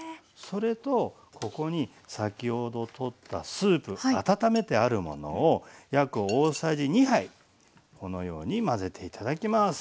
それとここに先ほどとったスープ温めてあるものを約大さじ２杯このように混ぜて頂きます。